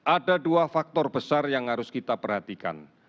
ada dua faktor besar yang harus kita perhatikan